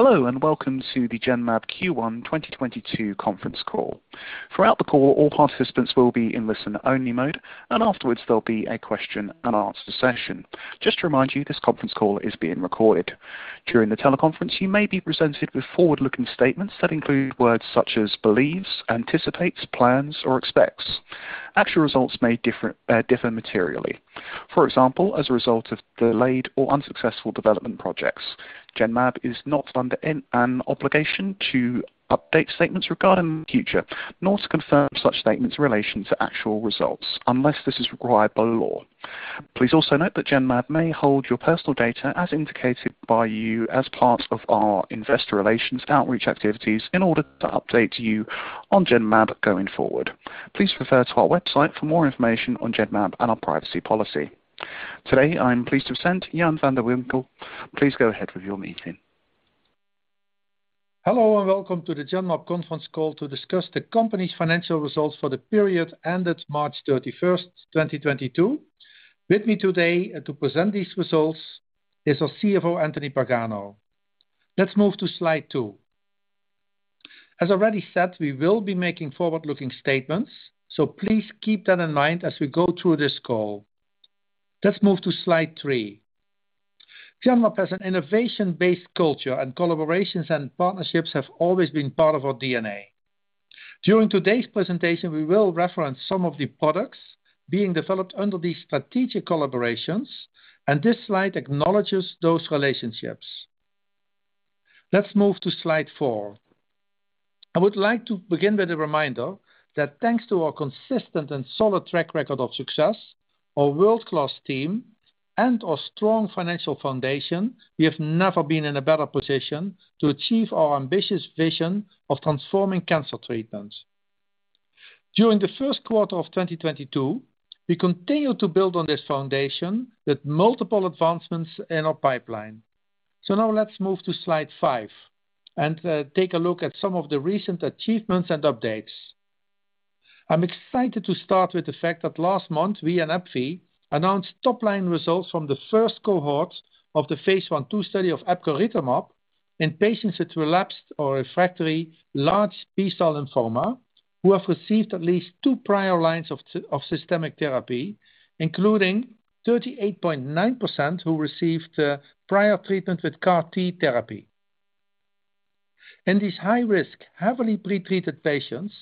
Hello, and welcome to the Genmab Q1 2022 conference call. Throughout the call, all participants will be in listen-only mode, and afterwards there'll be a question and answer session. Just to remind you, this conference call is being recorded. During the teleconference, you may be presented with forward-looking statements that include words such as believes, anticipates, plans, or expects. Actual results may differ materially. For example, as a result of delayed or unsuccessful development projects. Genmab is not under an obligation to update statements regarding future, nor to confirm such statements in relation to actual results unless this is required by law. Please also note that Genmab may hold your personal data as indicated by you as part of our investor relations outreach activities in order to update you on Genmab going forward. Please refer to our website for more information on Genmab and our privacy policy. Today, I am pleased to present Jan van de Winkel. Please go ahead with your meeting. Hello, and welcome to the Genmab conference call to discuss the company's financial results for the period ended March 31, 2022. With me today to present these results is our CFO, Anthony Pagano. Let's move to slide 2. As already said, we will be making forward-looking statements, so please keep that in mind as we go through this call. Let's move to slide 3. Genmab has an innovation-based culture, and collaborations and partnerships have always been part of our DNA. During today's presentation, we will reference some of the products being developed under these strategic collaborations, and this slide acknowledges those relationships. Let's move to slide 4. I would like to begin with a reminder that thanks to our consistent and solid track record of success, our world-class team and our strong financial foundation, we have never been in a better position to achieve our ambitious vision of transforming cancer treatments. During the first quarter of 2022, we continued to build on this foundation with multiple advancements in our pipeline. Now let's move to slide 5 and take a look at some of the recent achievements and updates. I'm excited to start with the fact that last month, we and AbbVie announced top-line results from the first cohort of the phase 1-2 study of epcoritamab in patients with relapsed or refractory large B-cell lymphoma who have received at least two prior lines of systemic therapy, including 38.9% who received prior treatment with CAR T therapy. In these high-risk, heavily pretreated patients,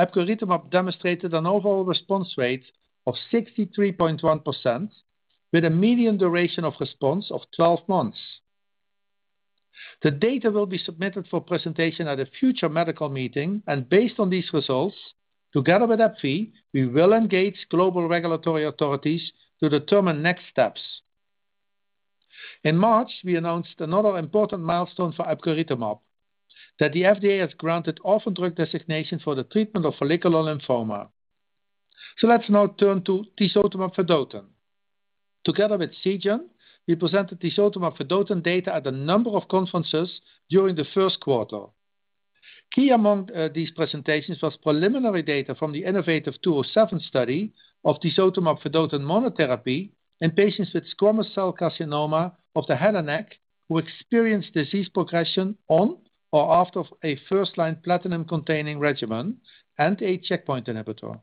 epcoritamab demonstrated an overall response rate of 63.1% with a median duration of response of 12 months. The data will be submitted for presentation at a future medical meeting, and based on these results, together with AbbVie, we will engage global regulatory authorities to determine next steps. In March, we announced another important milestone for epcoritamab, that the FDA has granted orphan drug designation for the treatment of follicular lymphoma. Let's now turn to tisotumab vedotin. Together with Seagen, we presented tisotumab vedotin data at a number of conferences during the first quarter. Key among, these presentations was preliminary data from the Innovative 207 study of tisotumab vedotin monotherapy in patients with squamous cell carcinoma of the head and neck who experienced disease progression on or after a first-line platinum-containing regimen and a checkpoint inhibitor.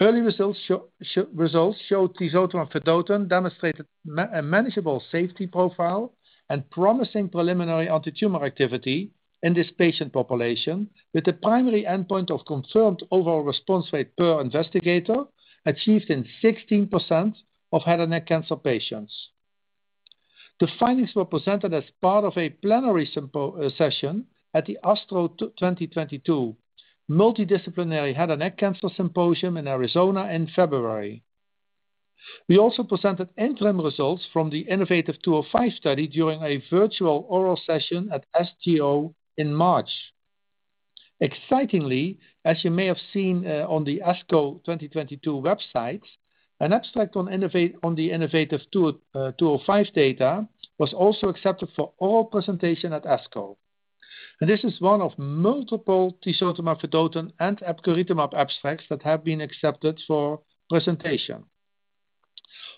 Early results showed tisotumab vedotin demonstrated manageable safety profile and promising preliminary antitumor activity in this patient population, with the primary endpoint of confirmed overall response rate per investigator achieved in 16% of head and neck cancer patients. The findings were presented as part of a plenary session at the ASTRO 2022 Multidisciplinary Head and Neck Cancer Symposium in Arizona in February. We also presented interim results from the Innovative two-oh-five study during a virtual oral session at SGO in March. Excitingly, as you may have seen, on the ASCO 2022 website, an abstract on the Innovative two-oh-five data was also accepted for oral presentation at ASCO. This is one of multiple tisotumab vedotin and epcoritamab abstracts that have been accepted for presentation.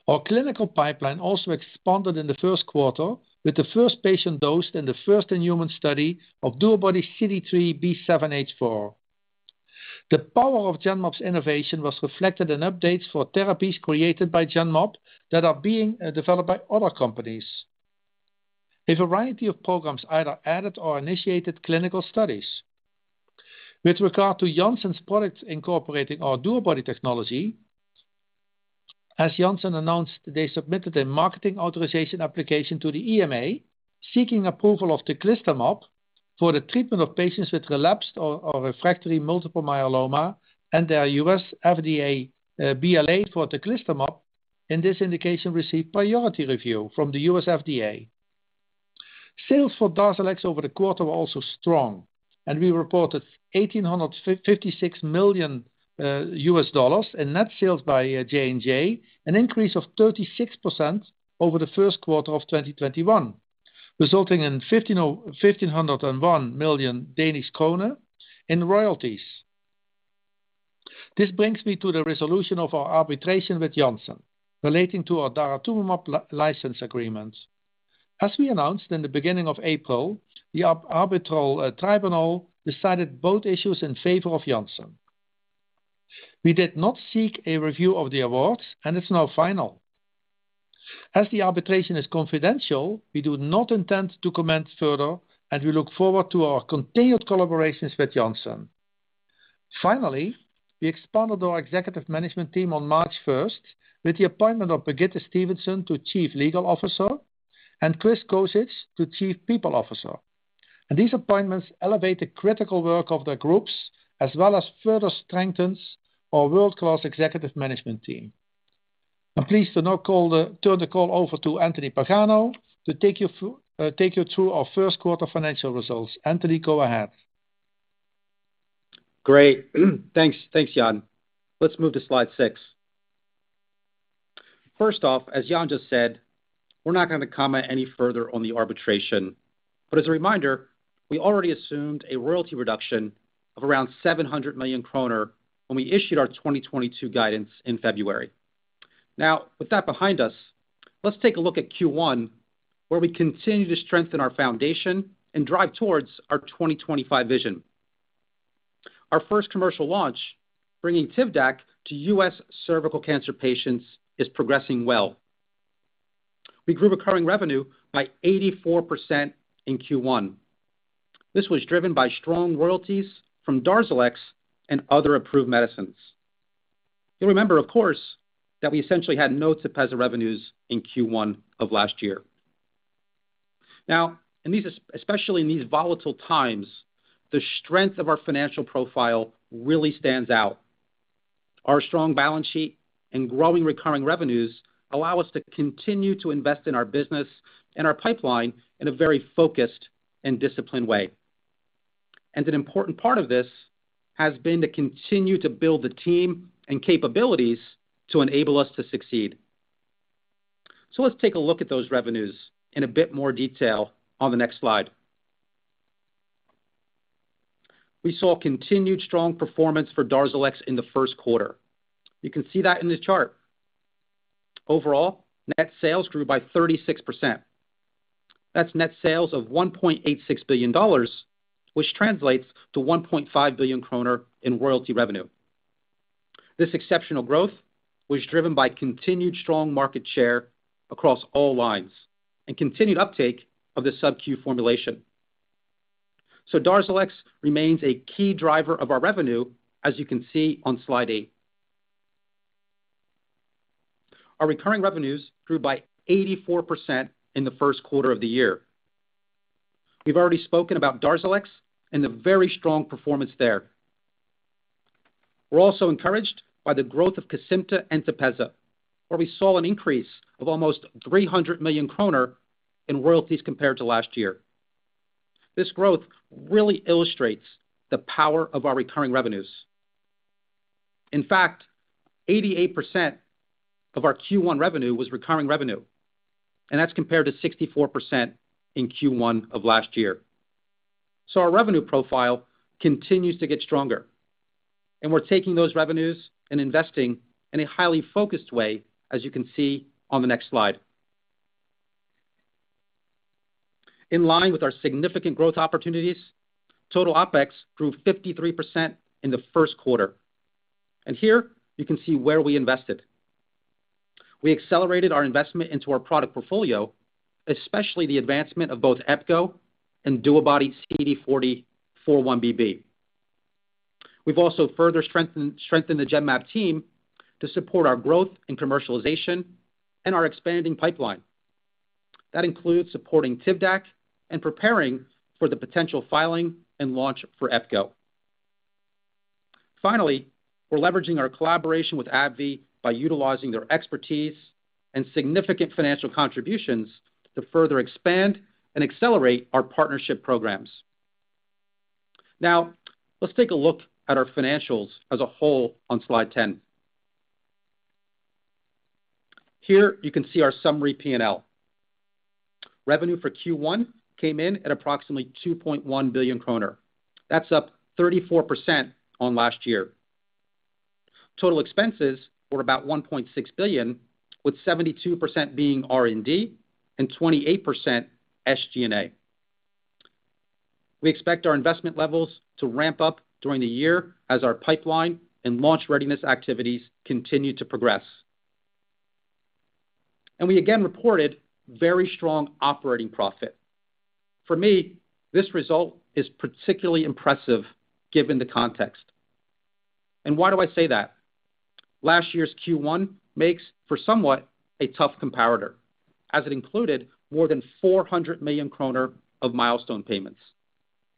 Our clinical pipeline also expanded in the first quarter with the first patient dosed in the first-in-human study of DuoBody-CD3xB7H4. The power of Genmab's innovation was reflected in updates for therapies created by Genmab that are being developed by other companies. A variety of programs either added or initiated clinical studies. With regard to Janssen's products incorporating our DuoBody technology, as Janssen announced, they submitted a marketing authorization application to the EMA seeking approval of teclistamab for the treatment of patients with relapsed or refractory multiple myeloma and their U.S. FDA BLA for teclistamab in this indication received priority review from the U.S. FDA. Sales for DARZALEX over the quarter were also strong, and we reported $1,856 million in net sales by J&J, an increase of 36% over the first quarter of 2021, resulting in 1,501 million Danish kroner in royalties. This brings me to the resolution of our arbitration with Janssen relating to our daratumumab license agreement. As we announced in the beginning of April, the arbitral tribunal decided both issues in favor of Janssen. We did not seek a review of the awards, and it's now final. As the arbitration is confidential, we do not intend to comment further, and we look forward to our continued collaborations with Janssen. Finally, we expanded our executive management team on March first with the appointment of Birgitte Stephensen to Chief Legal Officer and Chris Cozic to Chief People Officer. These appointments elevate the critical work of their groups as well as further strengthens our world-class executive management team. I'm pleased to now turn the call over to Anthony Pagano to take you through our first quarter financial results. Anthony, go ahead. Great. Thanks. Thanks, Jan. Let's move to slide 6. First off, as Jan just said, we're not gonna comment any further on the arbitration, but as a reminder, we already assumed a royalty reduction of around 700 million kroner when we issued our 2022 guidance in February. Now, with that behind us, let's take a look at Q1, where we continue to strengthen our foundation and drive towards our 2025 vision. Our first commercial launch, bringing Tivdak to U.S. Cervical Cancer patients, is progressing well. We grew recurring revenue by 84% in Q1. This was driven by strong royalties from DARZALEX and other approved medicines. You'll remember, of course, that we essentially had no TEPEZZA revenues in Q1 of last year. Now, especially in these volatile times, the strength of our financial profile really stands out. Our strong balance sheet and growing recurring revenues allow us to continue to invest in our business and our pipeline in a very focused and disciplined way. An important part of this has been to continue to build the team and capabilities to enable us to succeed. Let's take a look at those revenues in a bit more detail on the next slide. We saw continued strong performance for DARZALEX in the first quarter. You can see that in this chart. Overall, net sales grew by 36%. That's net sales of $1.86 billion, which translates to 1.5 billion kroner in royalty revenue. This exceptional growth was driven by continued strong market share across all lines and continued uptake of the subQ formulation. DARZALEX remains a key driver of our revenue, as you can see on slide eight. Our recurring revenues grew by 84% in the first quarter of the year. We've already spoken about DARZALEX and the very strong performance there. We're also encouraged by the growth of Kesimpta and TEPEZZA, where we saw an increase of almost 300 million kroner in royalties compared to last year. This growth really illustrates the power of our recurring revenues. In fact, 88% of our Q1 revenue was recurring revenue, and that's compared to 64% in Q1 of last year. So our revenue profile continues to get stronger, and we're taking those revenues and investing in a highly focused way, as you can see on the next slide. In line with our significant growth opportunities, total OpEx grew 53% in the first quarter. Here you can see where we invested. We accelerated our investment into our product portfolio, especially the advancement of both Epco and DuoBody-CD40x4-1BB. We've also further strengthened the Genmab team to support our growth and commercialization and our expanding pipeline. That includes supporting Tivdak and preparing for the potential filing and launch for Epco. Finally, we're leveraging our collaboration with AbbVie by utilizing their expertise and significant financial contributions to further expand and accelerate our partnership programs. Now, let's take a look at our financials as a whole on slide 10. Here you can see our summary P&L. Revenue for Q1 came in at approximately 2.1 billion kroner. That's up 34% on last year. Total expenses were about 1.6 billion, with 72% being R&D and 28% SG&A. We expect our investment levels to ramp up during the year as our pipeline and launch readiness activities continue to progress. We again reported very strong operating profit. For me, this result is particularly impressive given the context. Why do I say that? Last year's Q1 makes for somewhat a tough comparator as it included more than 400 million kroner of milestone payments.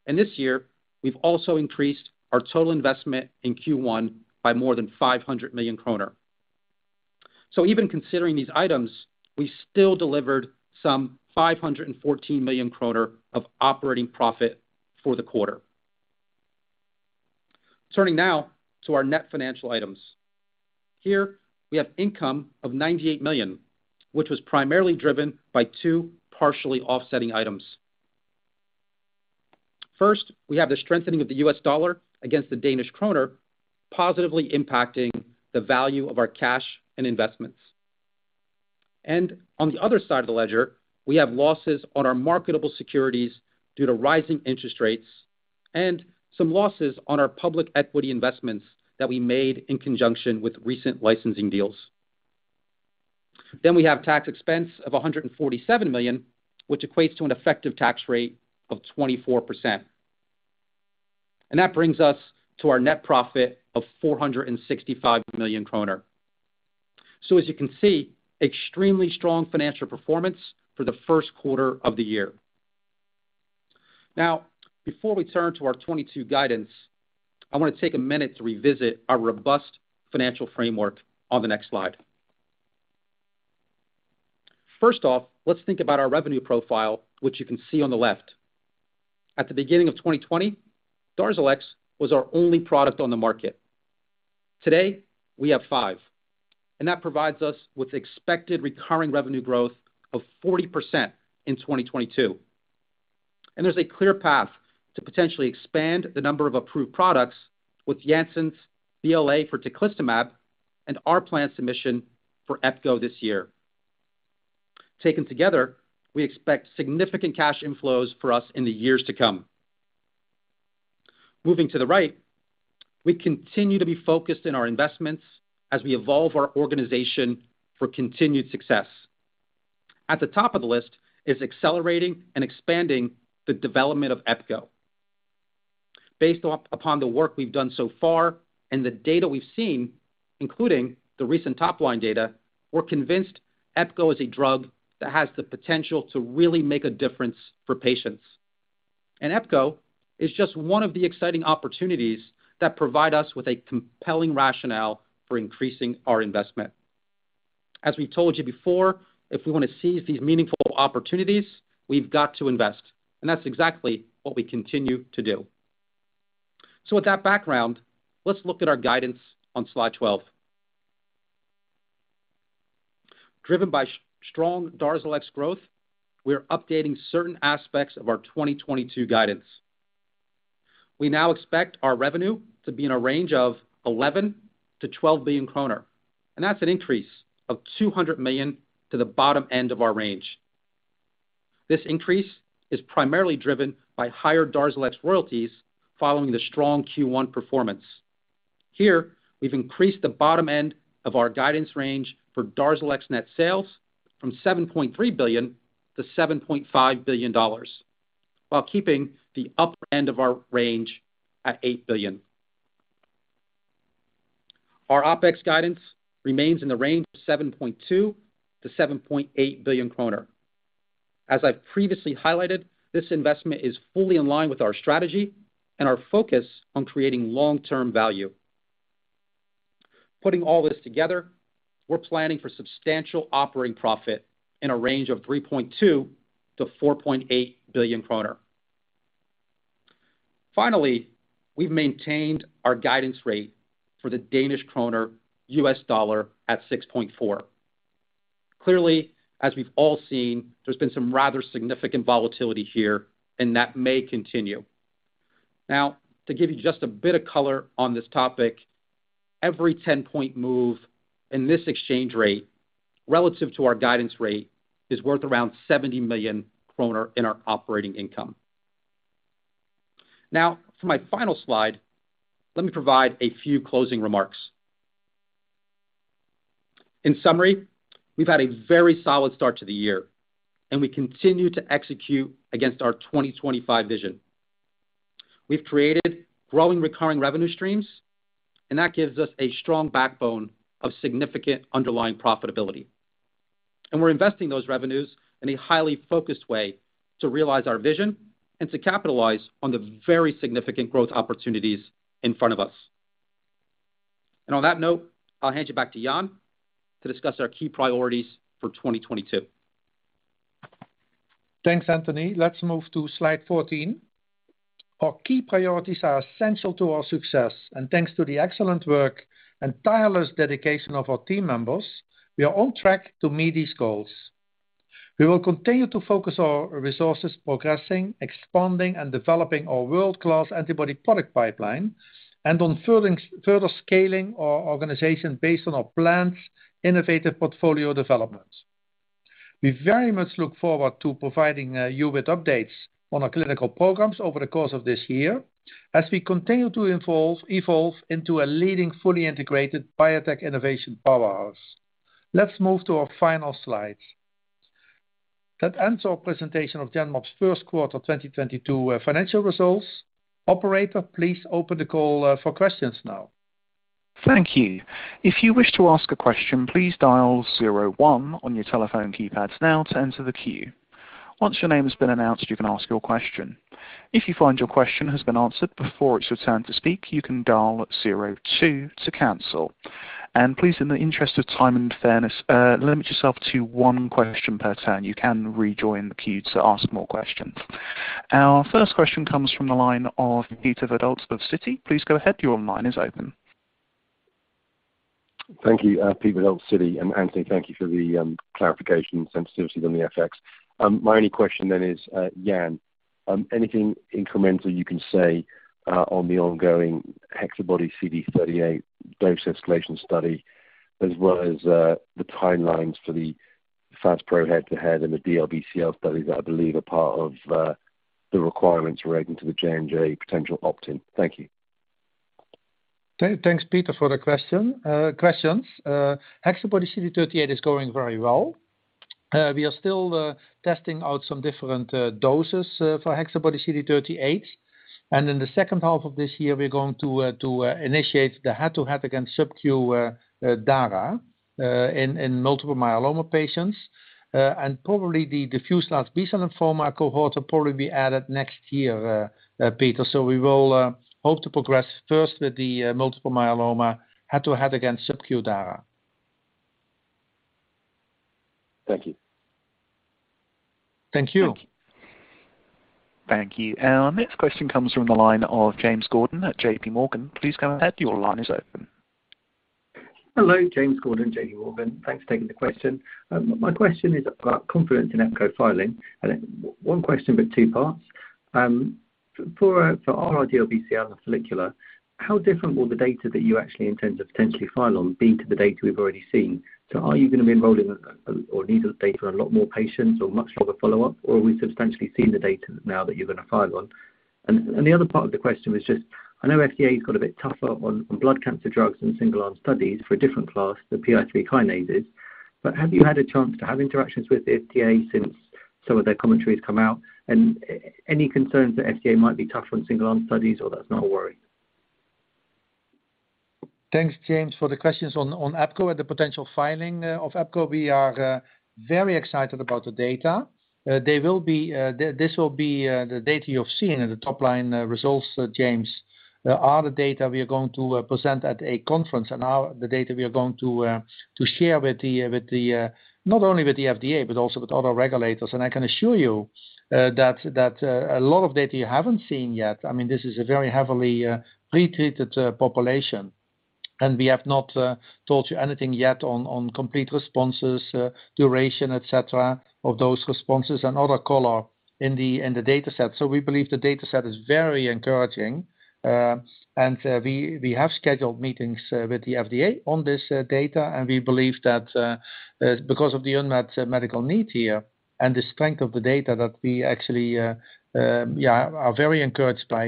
This year, we've also increased our total investment in Q1 by more than 500 million kroner. Even considering these items, we still delivered some 514 million kroner of operating profit for the quarter. Turning now to our net financial items. Here we have income of 98 million, which was primarily driven by two partially offsetting items. First, we have the strengthening of the US dollar against the Danish kroner positively impacting the value of our cash and investments. On the other side of the ledger, we have losses on our marketable securities due to rising interest rates and some losses on our public equity investments that we made in conjunction with recent licensing deals. We have tax expense of 147 million, which equates to an effective tax rate of 24%. That brings us to our net profit of 465 million kroner. As you can see, extremely strong financial performance for the first quarter of the year. Now, before we turn to our 2022 guidance, I want to take a minute to revisit our robust financial framework on the next slide. First off, let's think about our revenue profile, which you can see on the left. At the beginning of 2020, DARZALEX was our only product on the market. Today, we have 5, and that provides us with expected recurring revenue growth of 40% in 2022. There's a clear path to potentially expand the number of approved products with Janssen's BLA for teclistamab and our planned submission for epco this year. Taken together, we expect significant cash inflows for us in the years to come. Moving to the right, we continue to be focused in our investments as we evolve our organization for continued success. At the top of the list is accelerating and expanding the development of epco. Based upon the work we've done so far and the data we've seen, including the recent top line data, we're convinced epco is a drug that has the potential to really make a difference for patients. Epco is just one of the exciting opportunities that provide us with a compelling rationale for increasing our investment. As we told you before, if we want to seize these meaningful opportunities, we've got to invest, and that's exactly what we continue to do. With that background, let's look at our guidance on slide 12. Driven by strong DARZALEX growth, we are updating certain aspects of our 2022 guidance. We now expect our revenue to be in a range of 11-12 billion kroner, and that's an increase of 200 million to the bottom end of our range. This increase is primarily driven by higher DARZALEX royalties following the strong Q1 performance. Here, we've increased the bottom end of our guidance range for DARZALEX net sales from $7.3 billion to $7.5 billion while keeping the upper end of our range at $8 billion. Our OpEx guidance remains in the range of 7.2-7.8 billion kroner. As I've previously highlighted, this investment is fully in line with our strategy and our focus on creating long-term value. Putting all this together, we're planning for substantial operating profit in a range of 3.2 billion-4.8 billion kroner. Finally, we've maintained our guidance rate for the Danish kroner U.S. dollar at 6.4. Clearly, as we've all seen, there's been some rather significant volatility here, and that may continue. Now, to give you just a bit of color on this topic, every 10-point move in this exchange rate relative to our guidance rate is worth around 70 million kroner in our operating income. Now, for my final slide, let me provide a few closing remarks. In summary, we've had a very solid start to the year, and we continue to execute against our 2025 vision. We've created growing recurring revenue streams, and that gives us a strong backbone of significant underlying profitability. We're investing those revenues in a highly focused way to realize our vision and to capitalize on the very significant growth opportunities in front of us. On that note, I'll hand you back to Jan to discuss our key priorities for 2022. Thanks, Anthony. Let's move to slide 14. Our key priorities are essential to our success, and thanks to the excellent work and tireless dedication of our team members, we are on track to meet these goals. We will continue to focus our resources progressing, expanding, and developing our world-class antibody product pipeline and on further scaling our organization based on our planned innovative portfolio developments. We very much look forward to providing you with updates on our clinical programs over the course of this year as we continue to evolve into a leading, fully integrated biotech innovation powerhouse. Let's move to our final slide. That ends our presentation of Genmab's first quarter 2022 financial results. Operator, please open the call for questions now. Thank you. If you wish to ask a question, please dial 01 on your telephone keypads now to enter the queue. Once your name has been announced, you can ask your question. If you find your question has been answered before it's your turn to speak, you can dial 02 to cancel. Please, in the interest of time and fairness, limit yourself to one question per turn. You can rejoin the queue to ask more questions. Our first question comes from the line of Peter Verdult of Citi. Please go ahead. Your line is open. Thank you, Pete with Citi. Anthony, thank you for the clarification and sensitivity on the FX. My only question then is, Jan, anything incremental you can say on the ongoing HexaBody-CD38 dose escalation study, as well as the timelines for the FASPRO head-to-head and the DLBCL studies that I believe are part of the requirements relating to the J&J potential opt-in. Thank you. Thanks, Peter, for the question, questions. HexaBody-CD38 is going very well. We are still testing out some different doses for HexaBody-CD38. In the second half of this year we're going to initiate the head-to-head against SubQ daratumumab in multiple myeloma patients. The diffuse large B-cell lymphoma cohort will probably be added next year, Peter. We will hope to progress first with the multiple myeloma head-to-head against SubQ daratumumab. Thank you. Thank you. Thank you. Thank you. Our next question comes from the line of James Gordon at JP Morgan. Please go ahead. Your line is open. Hello, James Gordon, J.P. Morgan. Thanks for taking the question. My question is about confidence in epco filing. One question but two parts. For our R/R DLBCL and follicular, how different will the data that you actually intend to potentially file on be to the data we've already seen? So are you going to be enrolling or need the data on a lot more patients or much longer follow-up, or have we substantially seen the data now that you're going to file on? The other part of the question was just, I know FDA's got a bit tougher on blood cancer drugs and single-arm studies for a different class, the PI3 kinases. Have you had a chance to have interactions with the FDA since some of their commentary has come out? Any concerns that FDA might be tougher on single-arm studies or that's not a worry? Thanks, James, for the questions on epco and the potential filing of epco. We are very excited about the data. This will be the data you've seen in the top line results, James. All the data we are going to present at a conference and all the data we are going to share with not only the FDA but also with other regulators. I can assure you that a lot of data you haven't seen yet. I mean, this is a very heavily pretreated population, and we have not told you anything yet on complete responses, duration, et cetera, of those responses and other column in the data set. We believe the data set is very encouraging. We have scheduled meetings with the FDA on this data. We believe that because of the unmet medical need here and the strength of the data that we actually are very encouraged by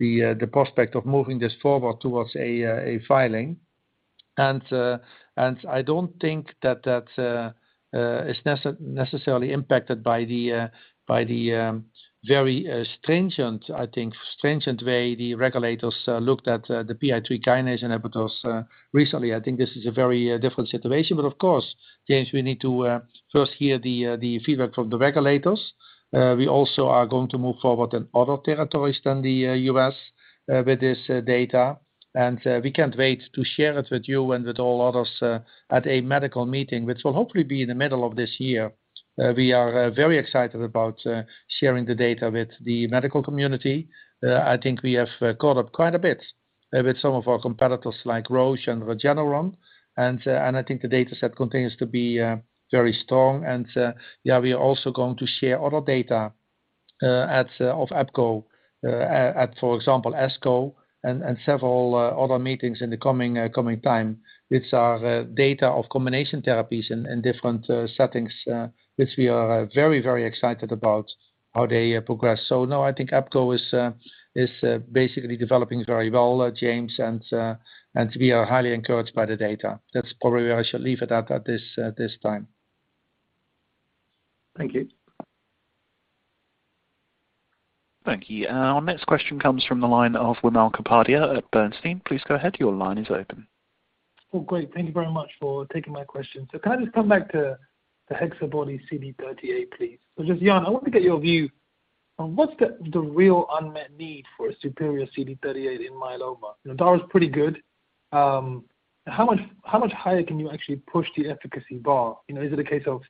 the prospect of moving this forward towards a filing. I don't think that is necessarily impacted by the very stringent way the regulators looked at the PI3 kinase inhibitors recently. I think this is a very different situation. Of course, James, we need to first hear the feedback from the regulators. We also are going to move forward in other territories than the U.S. with this data. We can't wait to share it with you and with all others at a medical meeting, which will hopefully be in the middle of this year. We are very excited about sharing the data with the medical community. I think we have caught up quite a bit with some of our competitors like Roche and Regeneron. I think the data set continues to be very strong. We are also going to share other data at, for example, ASCO and several other meetings in the coming time, which are data of combination therapies in different settings, which we are very, very excited about how they progress. No, I think epco is basically developing very well, James. We are highly encouraged by the data. That's probably where I should leave it at this time. Thank you. Thank you. Our next question comes from the line of Wimal Kapadia at Bernstein. Please go ahead. Your line is open. Oh, great. Thank you very much for taking my question. Can I just come back to the HexaBody-CD38, please? Just, Jan, I want to get your view on what's the real unmet need for a superior CD38 in myeloma? You know, DARZALEX's pretty good. How much higher can you actually push the efficacy bar? You know, is it a case of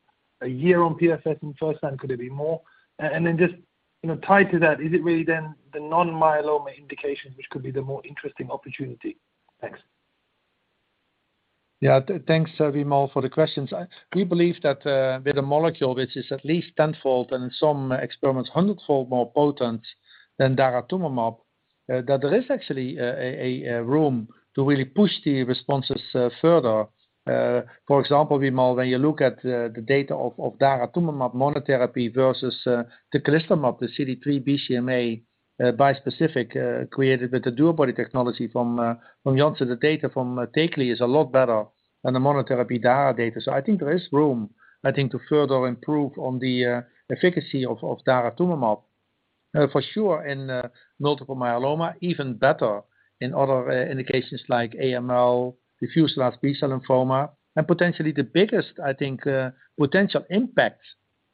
a year on PFS in first line, could it be more? And then just, you know, tied to that, is it really then the non-myeloma indication, which could be the more interesting opportunity? Thanks. Yeah. Thanks, Vimal, for the questions. We believe that with a molecule which is at least tenfold and in some experiments hundredfold more potent than daratumumab, that there is actually a room to really push the responses further. For example, Vimal, when you look at the data of daratumumab monotherapy versus teclistamab, the CD3 BCMA bispecific created with the DuoBody technology from Janssen, the data from teclistamab is a lot better than the monotherapy daratumumab data. I think there is room, I think, to further improve on the efficacy of daratumumab for sure in multiple myeloma, even better in other indications like AML, diffuse large B-cell lymphoma. Potentially the biggest, I think, potential impact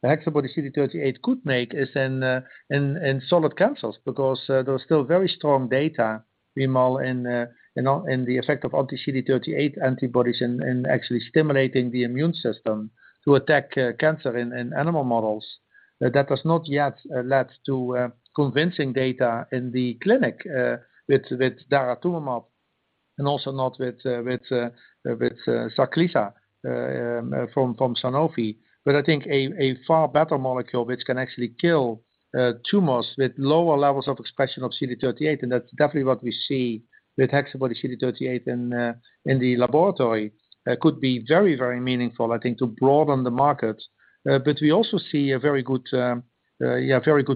the HexaBody-CD38 could make is in solid cancers because there was still very strong data, Wimal, you know, in the effect of anti-CD38 antibodies in actually stimulating the immune system to attack cancer in animal models. That has not yet led to convincing data in the clinic with daratumumab. Also not with Sarclisa from Sanofi. I think a far better molecule which can actually kill tumors with lower levels of expression of CD38, and that's definitely what we see with HexaBody-CD38 in the laboratory, could be very meaningful, I think, to broaden the market. We also see a very good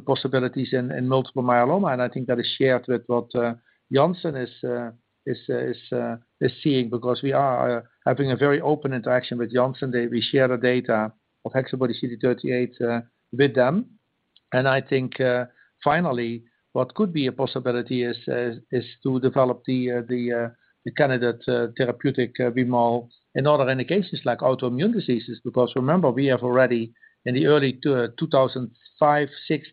possibilities in multiple myeloma, and I think that is shared with what Janssen is seeing because we are having a very open interaction with Janssen. We share the data of HexaBody-CD38 with them. I think finally, what could be a possibility is to develop the candidate therapeutic Vmal in other indications like autoimmune diseases. Because remember, we have already in the early 2005-2006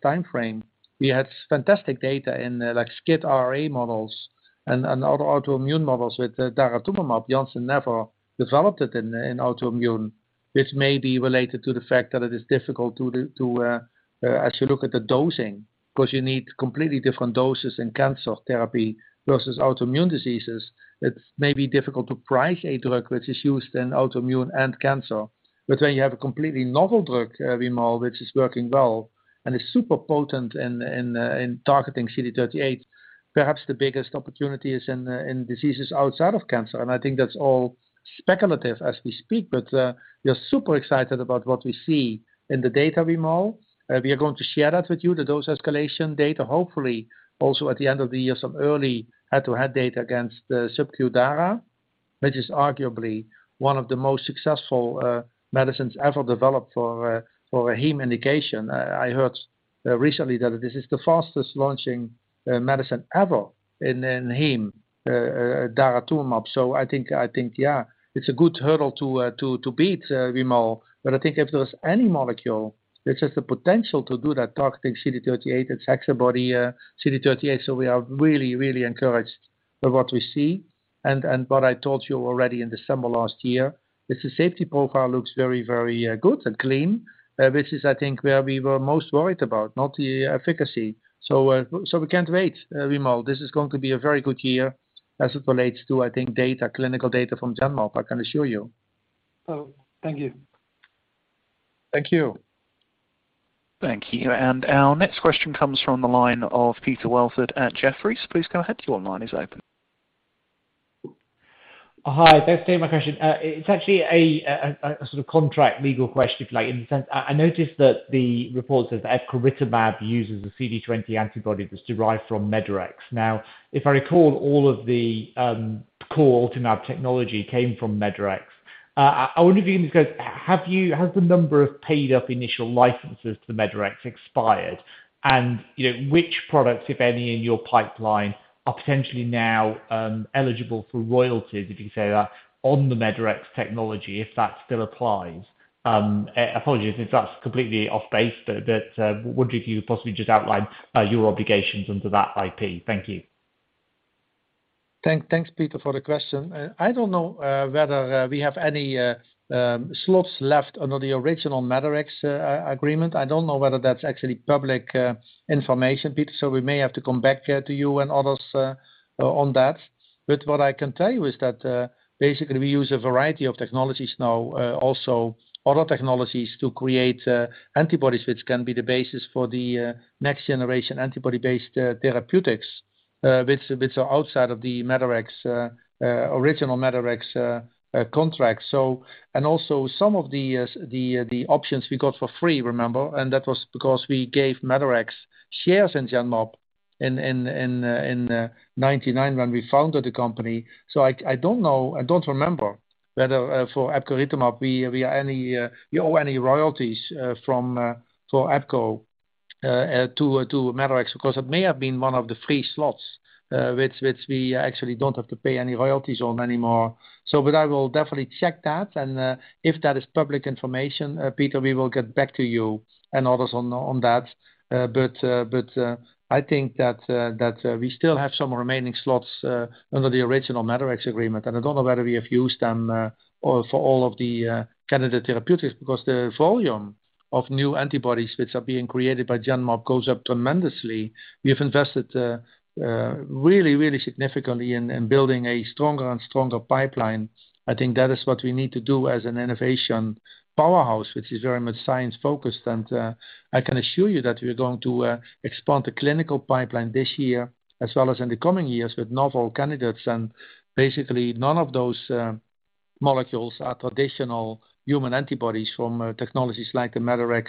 timeframe, we had fantastic data in like SCID-RA models and other autoimmune models with daratumumab. Janssen never developed it in autoimmune, which may be related to the fact that it is difficult to dose, as you look at the dosing, because you need completely different doses in cancer therapy versus autoimmune diseases. It may be difficult to price a drug which is used in autoimmune and cancer. But when you have a completely novel drug, Vimal, which is working well and is super potent in targeting CD38, perhaps the biggest opportunity is in diseases outside of cancer. I think that's all speculative as we speak, but we're super excited about what we see in the data, Vimal. We are going to share that with you, the dose escalation data, hopefully also at the end of the year, some early head-to-head data against the subQ Dara, which is arguably one of the most successful medicines ever developed for a heme indication. I heard recently that this is the fastest launching medicine ever in heme, Daratumumab. I think, yeah, it is a good hurdle to beat, Vimal. I think if there is any molecule which has the potential to do that targeting CD38, it is HexaBody CD38. We are really, really encouraged by what we see. What I told you already in December last year is the safety profile looks very, very good and clean, which is I think where we were most worried about, not the efficacy. We can't wait, Wimal. This is going to be a very good year as it relates to, I think, data, clinical data from Genmab. I can assure you. Oh, thank you. Thank you. Thank you. Our next question comes from the line of Peter Welford at Jefferies. Please go ahead. Your line is open. Hi. Thanks for taking my question. It's actually a sort of contract legal question, if like in the sense. I noticed that the report says that epcoritamab uses a CD20 antibody that's derived from Medarex. Now, if I recall, all of the core ultimab technology came from Medarex. I wonder if you can just go. Has the number of paid-up initial licenses to Medarex expired? You know, which products, if any, in your pipeline are potentially now eligible for royalties, if you can say that, on the Medarex technology, if that still applies. Apologies if that's completely off base, but wondering if you possibly just outlined your obligations under that IP. Thank you. Thanks, Peter, for the question. I don't know whether we have any slots left under the original Medarex agreement. I don't know whether that's actually public information, Peter, so we may have to come back to you and others on that. What I can tell you is that basically we use a variety of technologies now, also other technologies to create antibodies which can be the basis for the next generation antibody-based therapeutics which are outside of the original Medarex contract. Also some of the options we got for free, remember? That was because we gave Medarex shares in Genmab in 1999 when we founded the company. I don't know, I don't remember whether for epcoritamab we owe any royalties for epco to Medarex, because it may have been one of the free slots which we actually don't have to pay any royalties on anymore. I will definitely check that. If that is public information, Peter, we will get back to you and others on that. I think that we still have some remaining slots under the original Medarex agreement, and I don't know whether we have used them or for all of the candidate therapeutics because the volume of new antibodies which are being created by Genmab goes up tremendously. We have invested really significantly in building a stronger and stronger pipeline. I think that is what we need to do as an innovation powerhouse, which is very much science-focused. I can assure you that we're going to expand the clinical pipeline this year as well as in the coming years with novel candidates. Basically none of those molecules are traditional human antibodies from technologies like the Medarex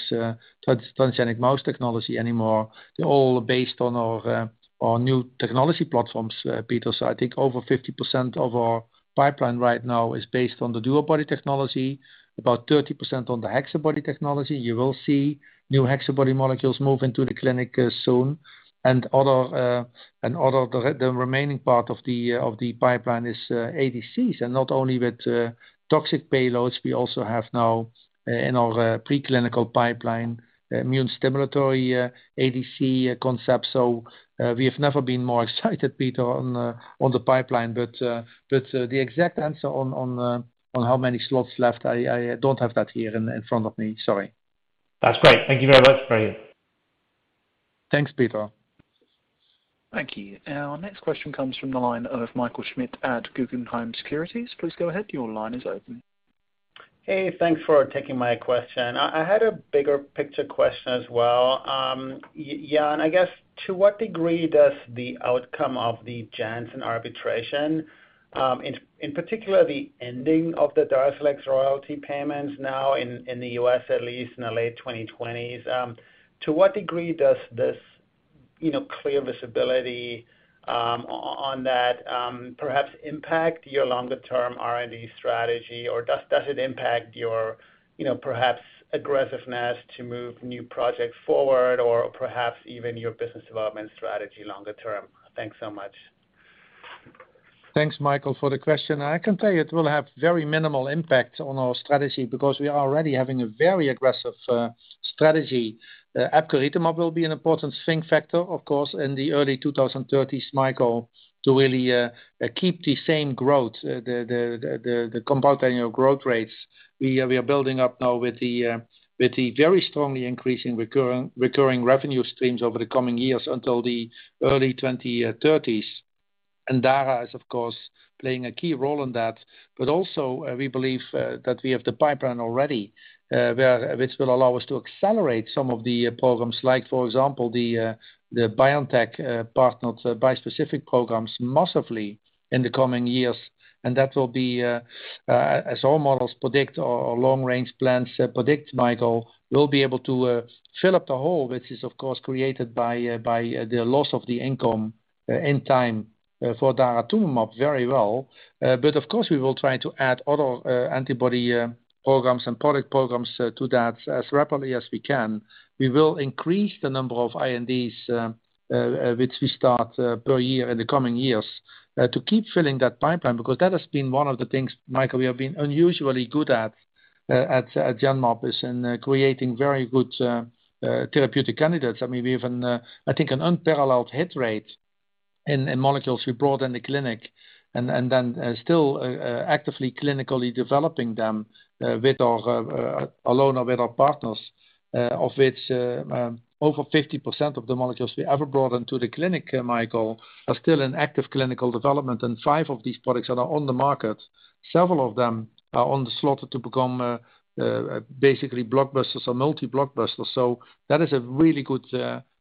transgenic mouse technology anymore. They're all based on our new technology platforms, Peter. I think over 50% of our pipeline right now is based on the DuoBody technology, about 30% on the HexaBody technology. You will see new HexaBody molecules move into the clinic soon. The remaining part of the pipeline is ADCs, and not only with toxic payloads, we also have now in our preclinical pipeline immune stimulatory ADC concept. We have never been more excited, Peter, on the pipeline. The exact answer on how many slots left, I don't have that here in front of me. Sorry. That's great. Thank you very much, Gerard. Thanks, Peter. Thank you. Our next question comes from the line of Michael Schmidt at Guggenheim Securities. Please go ahead. Your line is open. Hey, thanks for taking my question. I had a bigger picture question as well. Yeah, I guess to what degree does the outcome of the Janssen arbitration, in particular the ending of the DARZALEX royalty payments now in the U.S., at least in the late 2020s, to what degree does this, you know, clear visibility on that, perhaps impact your longer-term R&D strategy or does it impact your, you know, perhaps aggressiveness to move new projects forward or perhaps even your business development strategy longer term? Thanks so much. Thanks, Michael, for the question. I can tell you it will have very minimal impact on our strategy because we are already having a very aggressive strategy. Epcoritamab will be an important swing factor, of course, in the early 2030s, Michael, to really keep the same growth, the compound annual growth rates. We are building up now with the very strongly increasing recurring revenue streams over the coming years until the early 2030s. Dara is, of course, playing a key role in that. Also, we believe that we have the pipeline already which will allow us to accelerate some of the programs, like for example, the BioNTech partnered bispecific programs massively in the coming years. That will be, as all models predict or long-range plans predict, Michael, we'll be able to fill up the hole, which is of course created by the loss of the income in time for daratumumab very well. Of course we will try to add other antibody programs and product programs to that as rapidly as we can. We will increase the number of INDs which we start per year in the coming years to keep filling that pipeline, because that has been one of the things, Michael, we have been unusually good at Genmab in creating very good therapeutic candidates. I mean, we have, I think, an unparalleled hit rate in molecules we brought in the clinic and still actively clinically developing them alone or with our partners, of which over 50% of the molecules we ever brought into the clinic, Michael, are still in active clinical development, and 5 of these products are now on the market. Several of them are on the slate to become basically blockbusters or multi-blockbusters. That is a really good,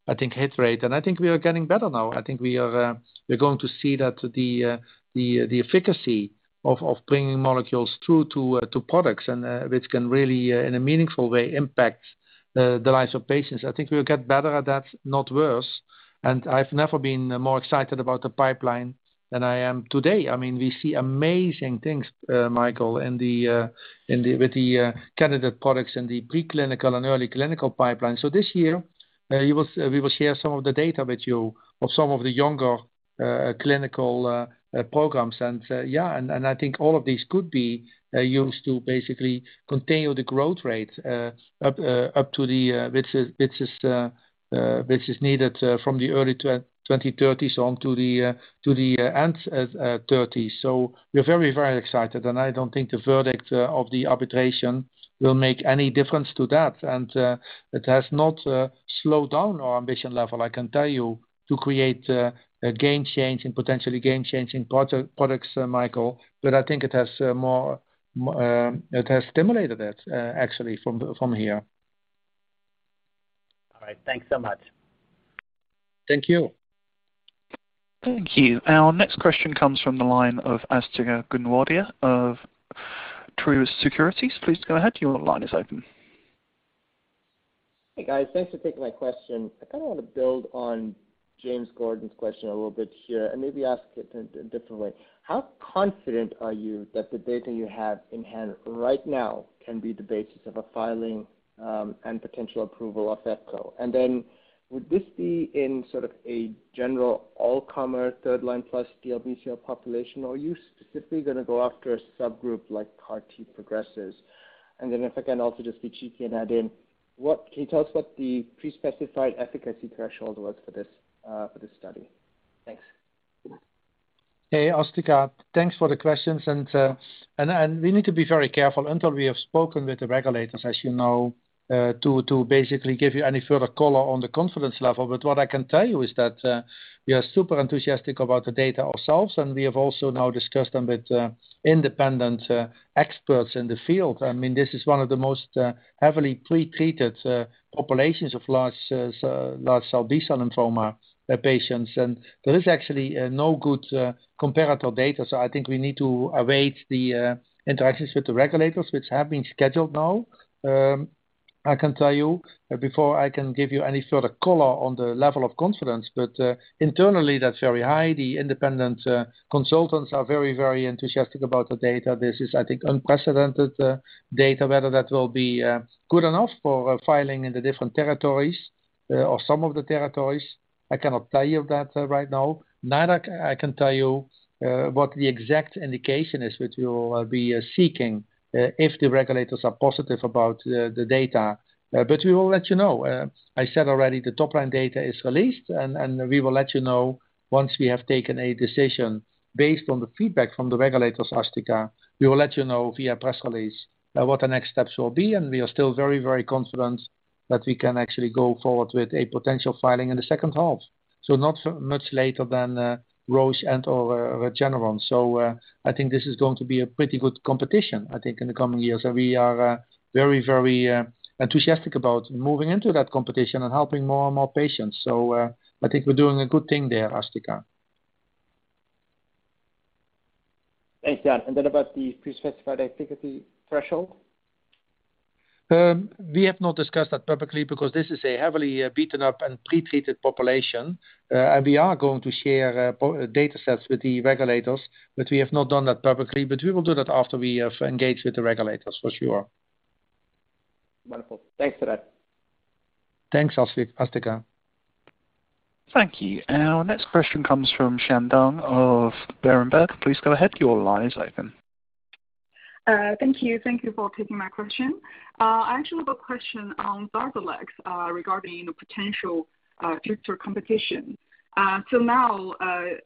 I think, hit rate. I think we are getting better now. I think we're going to see that the efficacy of bringing molecules through to products and which can really in a meaningful way impact the lives of patients. I think we'll get better at that, not worse. I've never been more excited about the pipeline than I am today. I mean, we see amazing things, Michael, with the candidate products in the preclinical and early clinical pipeline. This year, we will share some of the data with you of some of the younger clinical programs. I think all of these could be used to basically continue the growth rate up, which is needed from the early 2030s on to the end 2030s. We're very excited, and I don't think the verdict of the arbitration will make any difference to that. It has not slowed down our ambition level, I can tell you, to create a game change and potentially game changing products, Michael, but I think it has more. It has stimulated it actually from here. All right. Thanks so much. Thank you. Thank you. Our next question comes from the line of Asthika Goonewardene of Truist Securities. Please go ahead. Your line is open. Hey, guys. Thanks for taking my question. I kind of want to build on James Gordon's question a little bit here and maybe ask it in a different way. How confident are you that the data you have in hand right now can be the basis of a filing, and potential approval of epco? And then would this be in sort of a general all-comer third-line plus DLBCL population, or are you specifically gonna go after a subgroup like CART progressors? And then if I can also just be cheeky and add in, what can you tell us what the pre-specified efficacy threshold was for this, for this study? Thanks. Hey, Asthika. Thanks for the questions. We need to be very careful until we have spoken with the regulators, as you know, to basically give you any further color on the confidence level. But what I can tell you is that we are super enthusiastic about the data ourselves, and we have also now discussed them with independent experts in the field. I mean, this is one of the most heavily pre-treated populations of large cell B-cell lymphoma patients. There is actually no good comparative data. I think we need to await the interactions with the regulators, which have been scheduled now. I can tell you before I can give you any further color on the level of confidence, but internally that's very high. The independent consultants are very, very enthusiastic about the data. This is I think unprecedented data, whether that will be good enough for filing in the different territories or some of the territories. I cannot tell you that right now. I can tell you what the exact indication is, which we will be seeking if the regulators are positive about the data. But we will let you know. I said already the top line data is released, and we will let you know once we have taken a decision. Based on the feedback from the regulators, Asthika, we will let you know via press release what the next steps will be, and we are still very, very confident that we can actually go forward with a potential filing in the second half. Not so much later than Roche and or Regeneron. I think this is going to be a pretty good competition, I think, in the coming years. We are very, very enthusiastic about moving into that competition and helping more and more patients. I think we're doing a good thing there, Asthika. Thanks, Jan. About the pre-specified efficacy threshold. We have not discussed that publicly because this is a heavily beaten up and pretreated population. We are going to share data sets with the regulators, but we have not done that publicly. We will do that after we have engaged with the regulators for sure. Wonderful. Thanks for that. Thanks, Asthika. Thank you. Our next question comes from Xian Deng of Berenberg. Please go ahead. Your line is open. Thank you. Thank you for taking my question. I actually have a question on DARZALEX, regarding the potential future competition. Now,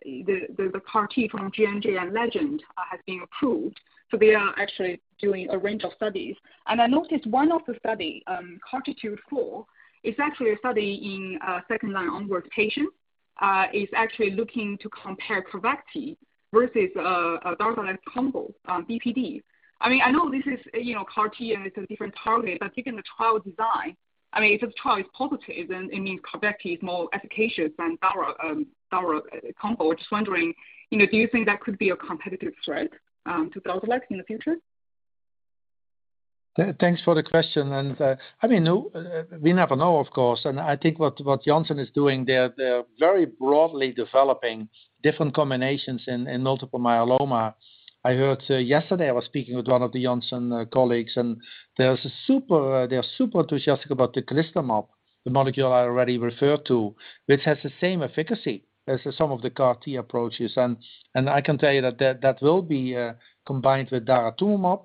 the CAR T from J&J and Legend Biotech has been approved. They are actually doing a range of studies. I noticed one of the studies, CARTITUDE-4, is actually a study in second line onward patients, is actually looking to compare CARVYKTI versus DARZALEX combo, BPD. I mean, I know this is, you know, CAR T and it's a different target, but given the trial design, I mean, if this trial is positive, then it means CARVYKTI is more efficacious than Dara combo. Just wondering, you know, do you think that could be a competitive threat to DARZALEX in the future? Thanks for the question. I mean, no, we never know, of course. I think what Janssen is doing, they're very broadly developing different combinations in multiple myeloma. I heard yesterday, I was speaking with one of the Janssen colleagues, and they are super enthusiastic about the teclistamab, the molecule I already referred to, which has the same efficacy as some of the CAR T approaches. I can tell you that that will be combined with daratumumab.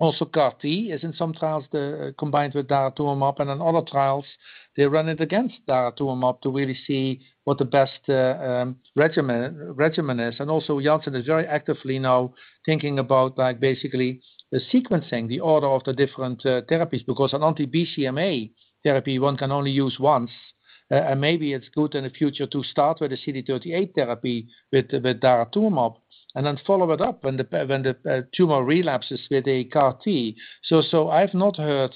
Also, CAR T is in some trials combined with daratumumab, and in other trials they run it against daratumumab to really see what the best regimen is. Janssen is very actively now thinking about the sequencing, the order of the different therapies, because an anti-BCMA therapy one can only use once. Maybe it's good in the future to start with a CD38 therapy with daratumumab and then follow it up when the tumor relapses with a CAR T. I've not heard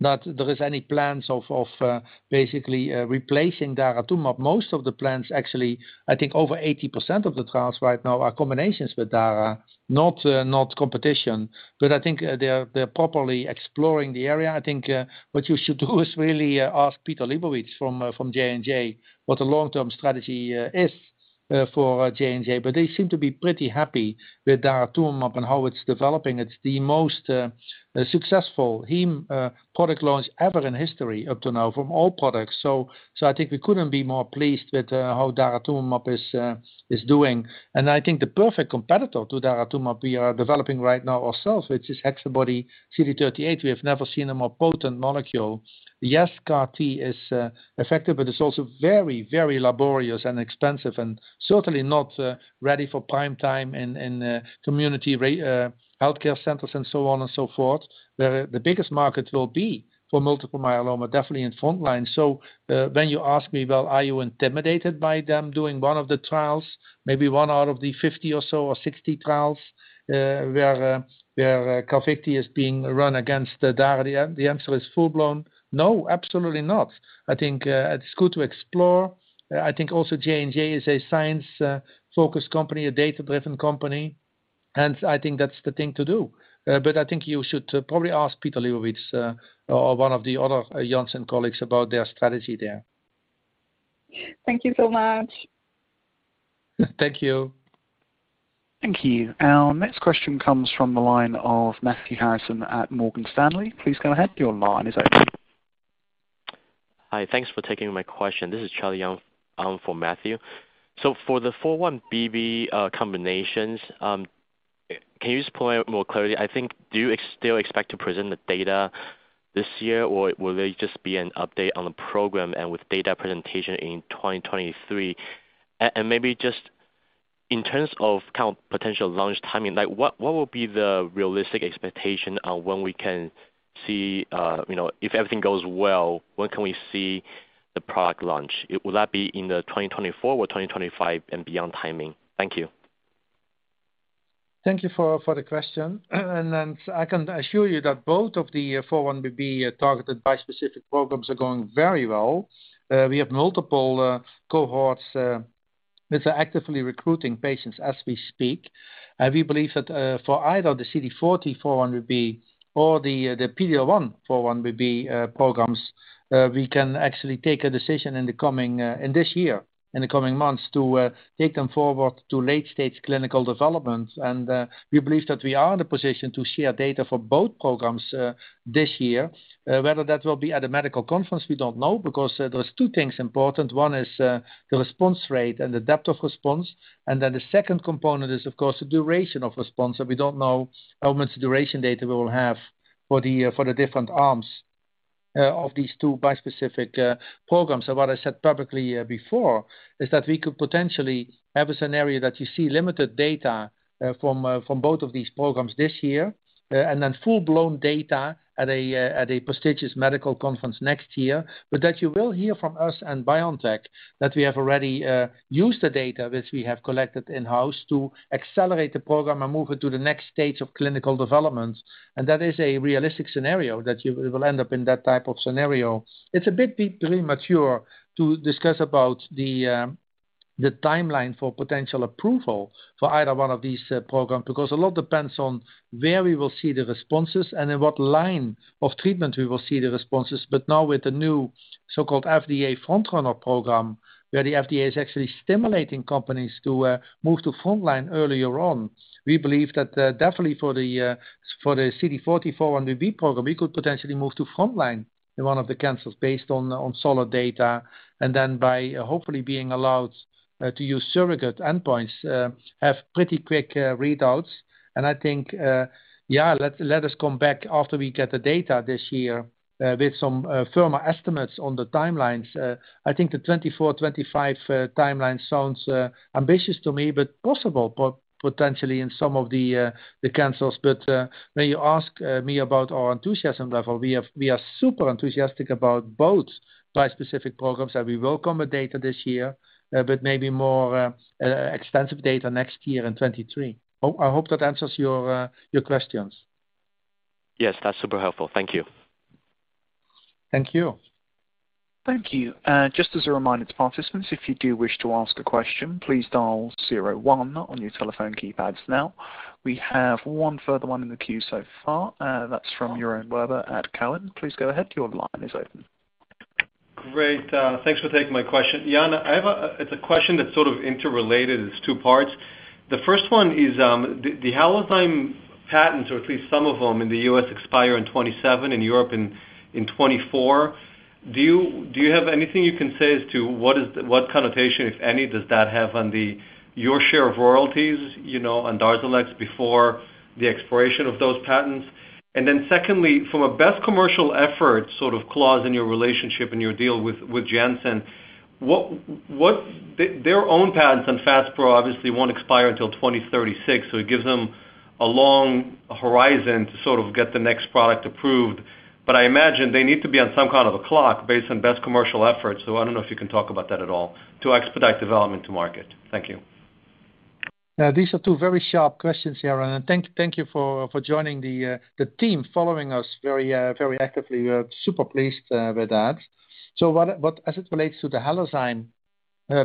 that there is any plans of replacing daratumumab. Most of the plans, I think over 80% of the trials right now are combinations with dara, not competition. I think they're properly exploring the area. I think what you should do is ask Peter Lebowicz from J&J what the long-term strategy is for J&J. They seem to be pretty happy with daratumumab and how it's developing. It's the most successful heme product launch ever in history up to now from all products. So I think we couldn't be more pleased with how daratumumab is doing. And I think the perfect competitor to daratumumab we are developing right now ourselves, which is HexaBody-CD38. We have never seen a more potent molecule. Yes, CAR T is effective, but it's also very, very laborious and expensive and certainly not ready for prime time in community healthcare centers and so on and so forth. The biggest markets will be for multiple myeloma, definitely in front line. When you ask me, "Well, are you intimidated by them doing one of the trials?" Maybe one out of the 50 or so or 60 trials where CARVYKTI is being run against the dara. The answer is full-blown no. Absolutely not. I think it's good to explore. I think also J&J is a science-focused company, a data-driven company, and I think that's the thing to do. I think you should probably ask Peter Lebowicz or one of the other Janssen colleagues about their strategy there. Thank you so much. Thank you. Thank you. Our next question comes from the line of Matthew Harrison at Morgan Stanley. Please go ahead. Your line is open. Hi. Thanks for taking my question. This is Charlie Young for Matthew. For the 4-1BB combinations, can you just point out more clearly, I think do you still expect to present the data this year, or will they just be an update on the program and with data presentation in 2023? And maybe just in terms of kind of potential launch timing, like what will be the realistic expectation on when we can see, you know, if everything goes well, when can we see the product launch? Will that be in the 2024 or 2025 and beyond timing? Thank you. Thank you for the question. I can assure you that both of the 4-1BB targeted bispecific programs are going very well. We have multiple cohorts that are actively recruiting patients as we speak. We believe that, for either the CD40 4-1BB or the PD-L1 4-1BB programs, we can actually take a decision in the coming, in this year, in the coming months to take them forward to late stage clinical development. We believe that we are in a position to share data for both programs, this year. Whether that will be at a medical conference, we don't know because there's two things important. One is, the response rate and the depth of response, and then the second component is of course the duration of response. We don't know how much duration data we will have for the different arms of these two bispecific programs. What I said publicly before is that we could potentially have a scenario that you see limited data from both of these programs this year and then full-blown data at a prestigious medical conference next year. That you will hear from us and BioNTech that we have already used the data which we have collected in-house to accelerate the program and move it to the next stage of clinical development. That is a realistic scenario that you will end up in that type of scenario. It's a bit premature to discuss about the timeline for potential approval for either one of these programs, because a lot depends on where we will see the responses and in what line of treatment we will see the responses. Now with the new so-called FDA Project FrontRunner program, where the FDA is actually stimulating companies to move to frontline earlier on, we believe that definitely for the CD40x4-1BB program, we could potentially move to frontline in one of the cancers based on solid data, and then by hopefully being allowed to use surrogate endpoints have pretty quick readouts. I think yeah let us come back after we get the data this year with some firmer estimates on the timelines. I think the 2024, 2025 timeline sounds ambitious to me, but possible potentially in some of the cancers. When you ask me about our enthusiasm level, we are super enthusiastic about both bispecific programs, and we welcome the data this year, but maybe more extensive data next year in 2023. I hope that answers your questions. Yes, that's super helpful. Thank you. Thank you. Thank you. Just as a reminder to participants, if you do wish to ask a question, please dial zero one on your telephone keypads now. We have one further one in the queue so far. That's from Yaron Werber at Cowen. Please go ahead. Your line is open. Great. Thanks for taking my question. Jan, I have a question that's sort of interrelated, and it's two parts. The first one is, the Halozyme patents, or at least some of them in the U.S. expire in 2027, in Europe in 2024. Do you have anything you can say as to what connotation, if any, does that have on your share of royalties, you know, on DARZALEX before the expiration of those patents? And then secondly, from a best commercial effort sort of clause in your relationship and your deal with Janssen, what their own patents on FASPRO obviously won't expire until 2036, so it gives them a long horizon to sort of get the next product approved. I imagine they need to be on some kind of a clock based on best commercial efforts. I don't know if you can talk about that at all to expedite development to market. Thank you. Yeah. These are two very sharp questions, Yaron. Thank you for joining the team, following us very actively. We're super pleased with that. As it relates to the Halozyme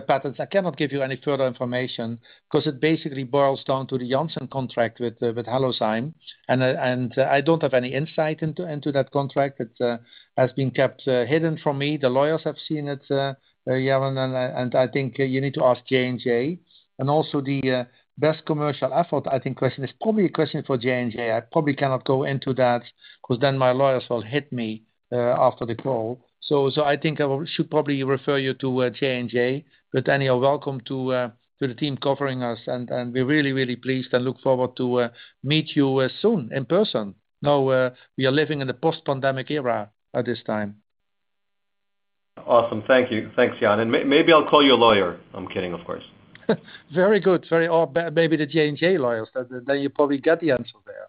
patents, I cannot give you any further information 'cause it basically boils down to the Janssen contract with Halozyme. I don't have any insight into that contract. It has been kept hidden from me. The lawyers have seen it, Yaron, and I think you need to ask J&J. Also the best commercial effort question is probably a question for J&J. I probably cannot go into that 'cause then my lawyers will hit me after the call. I think I should probably refer you to J&J. Anyhow, welcome to the team covering us, and we're really pleased and look forward to meet you soon in person. Now, we are living in a post-pandemic era at this time. Awesome. Thank you. Thanks, Jan. Maybe I'll call your lawyer. I'm kidding, of course. Very good. Maybe the J&J lawyers, then you probably get the answer there.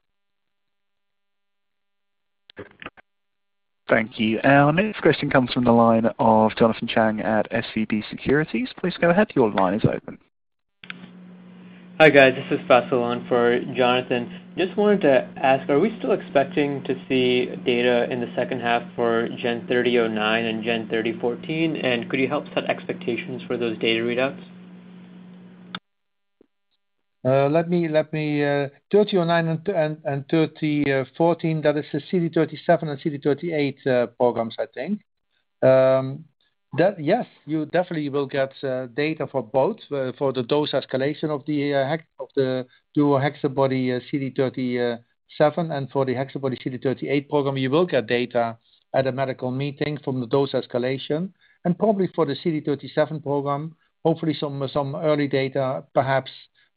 Thank you. Our next question comes from the line of Jonathan Chang at SVB Securities. Please go ahead. Your line is open. Hi, guys. This is Faslon for Jonathan. Just wanted to ask, are we still expecting to see data in the second half for GEN3009 and GEN3014? Could you help set expectations for those data readouts? 3009 and 3014, that is the CD37 and CD38 programs, I think. Yes. You definitely will get data for both, for the dose escalation of the DuoHexaBody CD37 and for the HexaBody CD38 program. You will get data at a medical meeting from the dose escalation and probably for the CD37 program, hopefully some early data perhaps